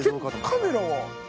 カメラは。